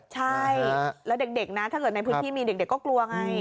ใช่แล้วเด็กนะถ้าเกิดในพื้นที่มีเด็กก็กลัวไง